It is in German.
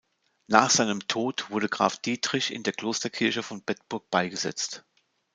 Nach seinem Tod wurde Graf Dietrich in der Klosterkirche von Bedburg beigesetzt.